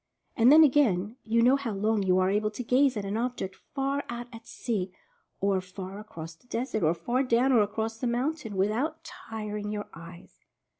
And then, again, you know how long you are able to gaze at an object far out at sea, or far across the desert, or far down or across the mountain, with out tiring your eyes.